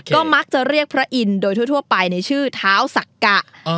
ก็มักจะเรียกพระอินทร์โดยทั่วไปในชื่อเท้าสักกะ